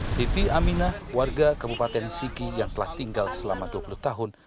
siti amina warga kabupaten sigi yang telah tinggal selama dua puluh tahun